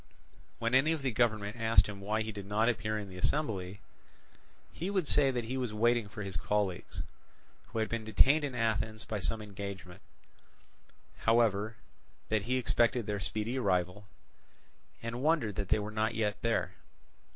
When any of the government asked him why he did not appear in the assembly, he would say that he was waiting for his colleagues, who had been detained in Athens by some engagement; however, that he expected their speedy arrival, and wondered that they were not yet there.